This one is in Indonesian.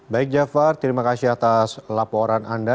baik jafar terima kasih atas laporan anda